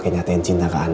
kenapa gak mikir sih al